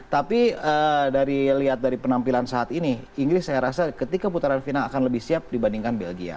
tapi dari lihat dari penampilan saat ini inggris saya rasa ketika putaran final akan lebih siap dibandingkan belgia